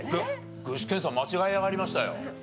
具志堅さん間違えやがりましたよ。